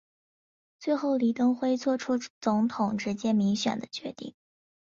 最后李登辉做出总统直接民选的决定。